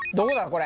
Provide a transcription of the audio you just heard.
これ。